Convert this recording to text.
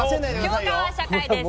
教科は社会です。